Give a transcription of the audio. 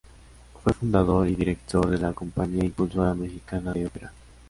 Fue fundador y director de la Compañía Impulsora Mexicana de Ópera.